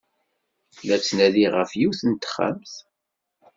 La ttnadiɣ ɣef yiwet n texxamt.